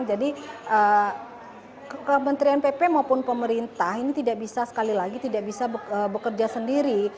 jadi kementerian pp maupun pemerintah ini tidak bisa sekali lagi tidak bisa bekerja sendiri